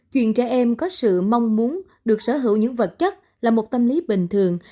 chuyện trẻ em có sự mong muốn được sở hữu những vật chất là một tâm lý bình thường